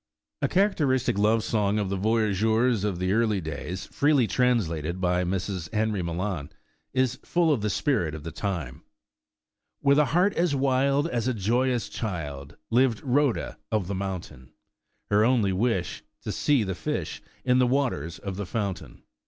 A characteristic love song of the voyageur's of the 109 The Original John Jacob Astor early days, freely translated by Mrs Henry Malan, is full of the spirit of the time : "With a heart as wild As a joyous child, Lived Rhoda of the mountain; Her only wish To seeli the fish, In the waters of the fountain.